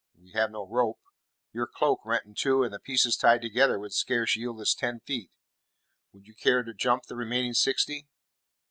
We have no rope. Your cloak rent in two and the pieces tied together would scarce yield us ten feet. Would you care to jump the remaining sixty?"